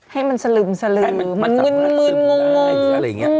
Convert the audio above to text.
ให้มันสลึมมึนงง